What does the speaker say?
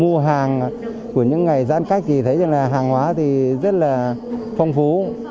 mua hàng của những ngày giãn cách thì thấy rằng là hàng hóa thì rất là phong phú